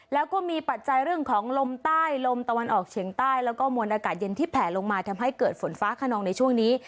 แล้วก็มีปัจจัยเรื่องของลมใต้ลมตะวันออกเฉียงใต้แล้วก็มวลอากาศเย็นที่แผลลงมาทำให้เกิดฝนฟ้าขนองในช่วงนี้